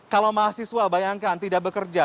kalau mahasiswa bayangkan tidak bekerja